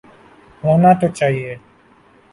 ہونا تو چاہیے۔